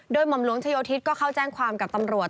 โดยหม่อมหลวงชะโยธิศก็เข้าแจ้งความกับตำรวจ